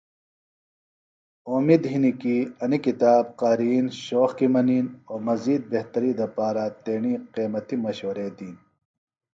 اومِد ہنیۡ کی انیۡ کتاب قارئین شوق کی منِین او مزید بہتری دپارہ تیݨی قیمتی مشورے دِین